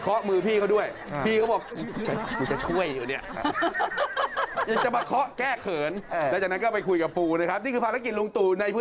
ถ้าอีกนิดเดียวปลายจมูกโดนแน่